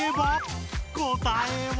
答えは？